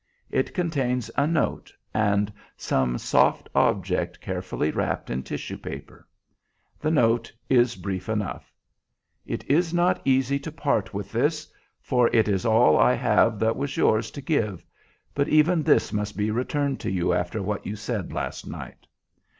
It contains a note and some soft object carefully wrapped in tissue paper. The note is brief enough: "It is not easy to part with this, for it is all I have that was yours to give, but even this must be returned to you after what you said last night.